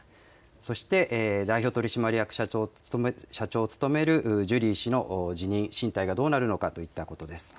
そして代表取締役社長を務めるジュリー氏の辞任、進退がどうなるのかといったことです。